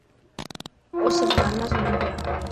او سب گانا سڻي پيا.